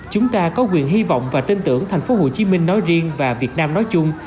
chúng ta có quyền hy vọng và tin tưởng thành phố hồ chí minh nói riêng và việt nam nói chung